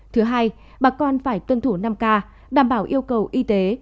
thứ hai bà con phải tuân thủ năm k đảm bảo yêu cầu y tế